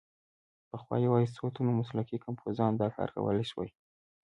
پخوا یوازې څو تنو مسلکي کمپوزرانو دا کار کولای شو.